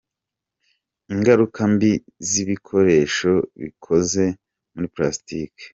Ingaruka mbi z’ibikoresho bikoze muri Plastic.